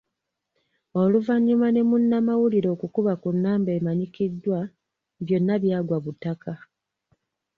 Oluvannyuma ne munnamawulire okukuba ku nnamba emanyikiddwa, byonna byagwa butaka.